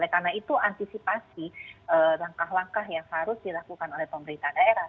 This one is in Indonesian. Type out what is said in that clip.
karena itu antisipasi langkah langkah yang harus dilakukan oleh pemerintah daerah